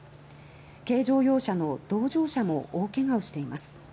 軽乗用車の同乗者も大怪我をしています。